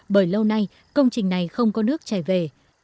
bởi lâu nay công trình này không có nước chảy về